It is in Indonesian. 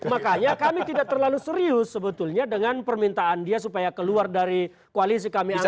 makanya kami tidak terlalu serius sebetulnya dengan permintaan dia supaya keluar dari koalisi kami